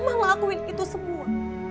mama ngelakuin itu semua